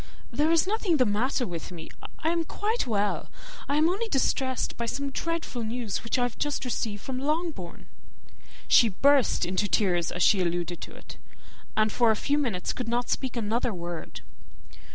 "There is nothing the matter with me. I am quite well, I am only distressed by some dreadful news which I have just received from Longbourn." She burst into tears as she alluded to it, and for a few minutes could not speak another word.